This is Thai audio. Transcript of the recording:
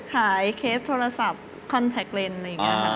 เคสโทรศัพท์คอนแท็กเลนส์อะไรอย่างนี้ค่ะ